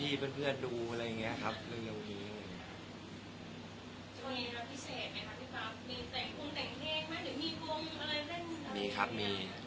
มีแต่งควงแต่งแหปะหรือมีควงอะไรแบบนั้น